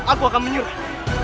aku akan menyerah